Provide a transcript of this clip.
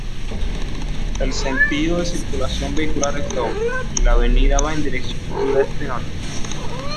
El sentido de circulación vehicular es doble, y la avenida va en dirección sudeste-noroeste.